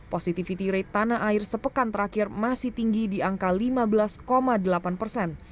positivity rate tanah air sepekan terakhir masih tinggi di angka lima belas delapan persen